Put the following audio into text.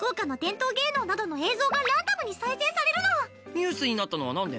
ニュースになったのはなんで？